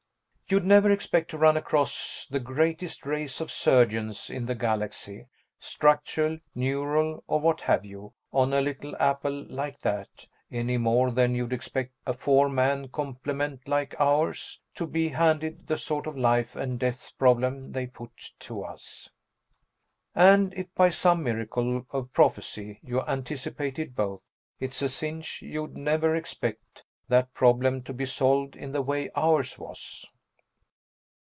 You'd never expect to run across the greatest race of surgeons in the Galaxy structural, neural or what have you on a little apple like that, any more than you'd expect a four man complement like ours to be handed the sort of life and death problem they put to us. And, if by some miracle of prophecy you anticipated both, it's a cinch you'd never expect that problem to be solved in the way ours was.